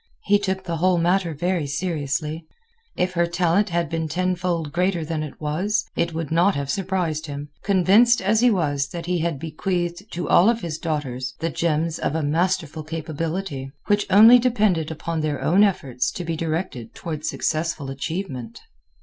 He took the whole matter very seriously. If her talent had been ten fold greater than it was, it would not have surprised him, convinced as he was that he had bequeathed to all of his daughters the germs of a masterful capability, which only depended upon their own efforts to be directed toward successful achievement.